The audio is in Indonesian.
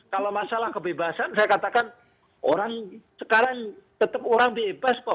kalau masalah kebebasan saya katakan orang sekarang tetap orang bebas kok